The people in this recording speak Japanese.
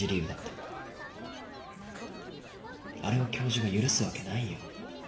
あれを教授が許すわけないよ。